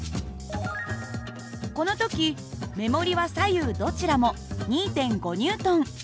この時目盛りは左右どちらも２．５Ｎ。